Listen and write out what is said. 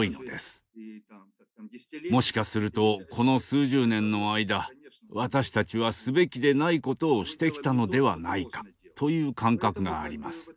もしかするとこの数十年の間私たちはすべきでないことをしてきたのではないかという感覚があります。